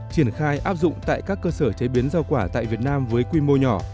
triển khai áp dụng tại các cơ sở chế biến rau quả tại việt nam với quy mô nhỏ